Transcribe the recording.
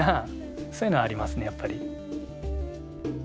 そういうのはありますねやっぱり。